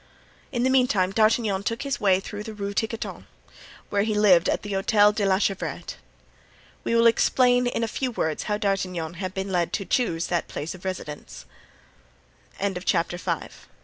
In the meantime D'Artagnan took his way toward the Rue Tiquetonne, where he lived at the Hotel de la Chevrette. We will explain in a few words how D'Artagnan had been led to choose that place of residence. C